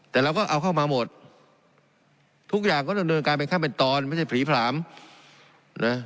แต่เราก็เอาเข้ามาหมดทุกอย่างก็ดำเนินการเป็นขั้นเป็นตอนไม่ใช่ผลีผลามนะ